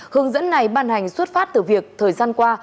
hướng dẫn này ban hành xuất phát từ việc thời gian qua